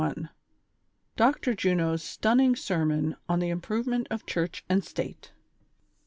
DR. JTJXO'S STUNNING SERMON ON THE IMPROVEMENT OF CHURCH AND STATE.